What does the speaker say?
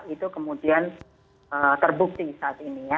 itu kemudian terbukti saat ini ya